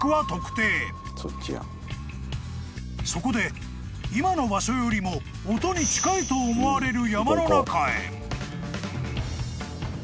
［そこで今の場所よりも音に近いと思われる］